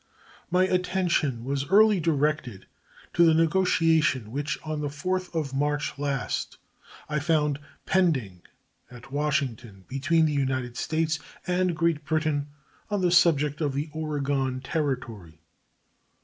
My attention was early directed to the negotiation which on the 4th of March last I found pending at Washington between the United States and Great Britain on the subject of the Oregon Territory.